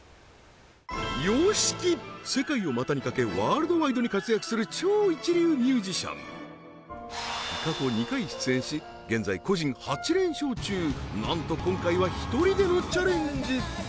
世界を股にかけワールドワイドに活躍する超一流ミュージシャン過去２回出演しなんと今回は１人でのチャレンジ